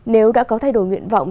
nếu đã có thay đổi nguyện vọng